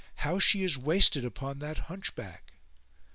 how she is wasted upon that Hunchback!"